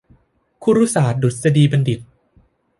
คุรุศาสตรดุษฎีบัณฑิต